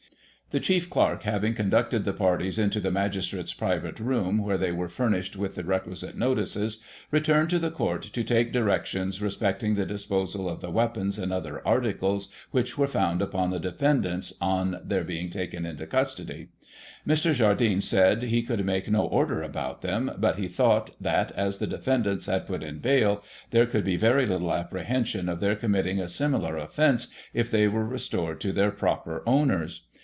The Chief Clerk having conducted the parties into the Magistrate's private room, where they were furnished with the requisite notices, returned to the Court to take directions re specting the disposal of the weapons and other articles which were found upon the defendants on their being taken into custody. Mr. Jardine said he could make no order about them, but he thought that, as the defendants had put in bail, there could be very little apprehension of their committing a similar offence, if they were restored to their proper owners.